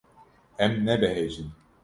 Em nebehecîn.